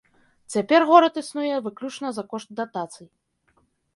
Цяпер горад існуе выключна за кошт датацый.